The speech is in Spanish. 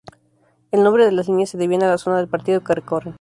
El nombre de las líneas se debía a la zona del partido que recorren.